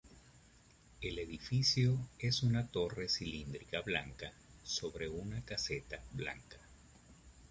El edificio es una torre cilíndrica blanca sobre caseta blanca.